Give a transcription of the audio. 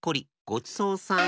ごちそうさん。